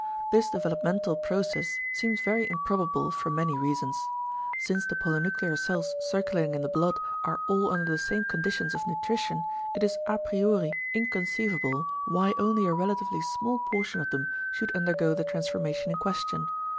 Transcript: This developmental process seems very improbable for many reasons. Since the polynuclear cells circulating in the blood are all under the same conditions of nutrition, it is à priori inconceivable why only a relatively small portion of them should undergo the transformation in question.